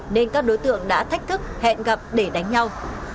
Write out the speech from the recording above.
nên các đối tượng đã thách thức hẹn gặp để đánh nhau